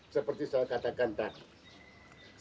seperti saya katakan tadi